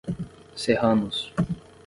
Serranos